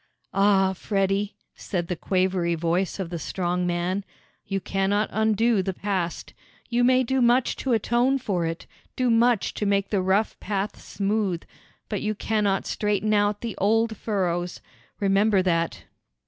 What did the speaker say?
"Ah, Freddie," said the quavery voice of the strong man, "you cannot undo the past. You may do much to atone for it, do much to make the rough path smooth, but you cannot straighten out the old furrows; remember that."